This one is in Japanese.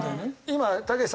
今たけしさん